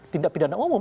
tindak pidana umum